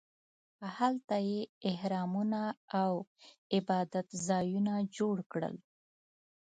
هلته یې اهرامونو او عبادت ځایونه جوړ کړل.